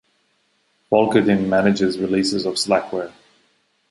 Volkerding manages releases of Slackware.